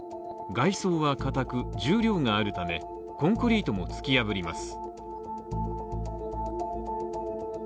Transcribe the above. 外装は固く、重量があるため、コンクリートも突き破ります。